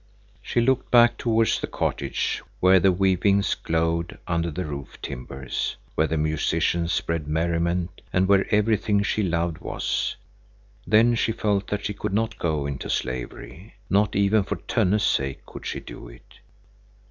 She looked back towards the cottage, where the weavings glowed under the roof timbers, where the musicians spread merriment, and where everything she loved was, then she felt that she could not go into slavery. Not even for Tönne's sake could she do it.